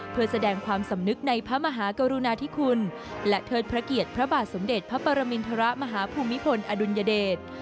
เพื่อแสดงความสำนึกในพระมหากรุณาธิคุณและเทิดพระเกียรติพระบาทสมเด็จพระปรมินทรมาฮภูมิพลอดุลยเดช